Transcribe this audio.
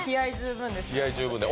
気合い十分です。